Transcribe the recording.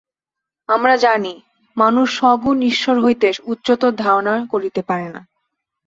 আমরা জানি, মানুষ সগুণ ঈশ্বর হইতে উচ্চতর ধারণা করিতে পারে না।